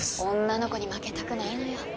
女の子に負けたくないのよ